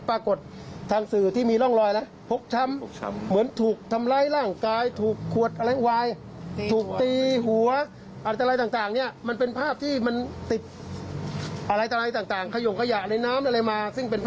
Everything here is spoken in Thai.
เพราะฉะนั้นภาพที่ปรากฏทางสื่อ